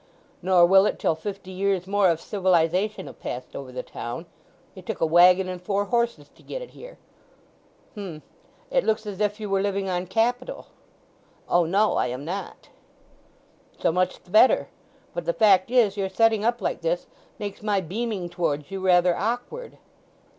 "Nor will it till fifty years more of civilization have passed over the town. It took a waggon and four horses to get it here." "H'm. It looks as if you were living on capital." "O no, I am not." "So much the better. But the fact is, your setting up like this makes my beaming towards you rather awkward."